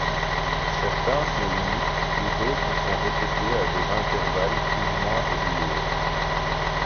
Certains sont uniques et d'autres sont répétés à des intervalles plus ou moins réguliers.